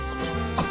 あっ！